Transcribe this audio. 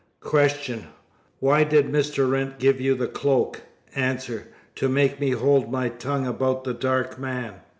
Q. Why did Mr. Wrent give you the cloak? A. To make me hold my tongue about the dark man.